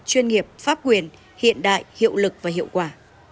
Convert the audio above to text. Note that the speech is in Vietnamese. chuyên nghiệp pháp quyền hiện đại hiệu lực và hiệu quả